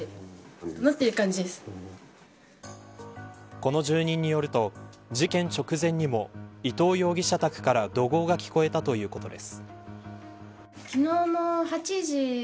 この住人によると事件直前にも、伊藤容疑者宅から怒号が聞こえたということです。